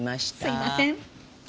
すいません！